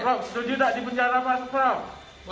masa saya mau di penjara